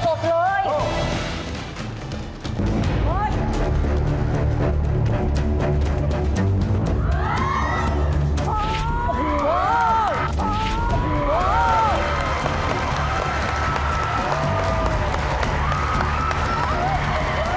ใครก็ทำได้ไว้แบบนี้อะไรแบบนี้